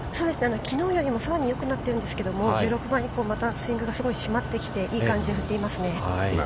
◆きのうよりもさらによくなっているんですけれども、１６番以降、またスイングが締まってきて、いい感じで打っていますね。